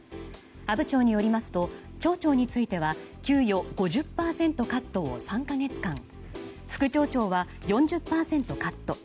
阿武町によりますと町長については給与５０％カットを３か月間副町長は４０％カット。